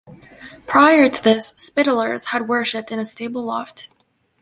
Prior to this, "Spittlers" had worshipped in a stable loft.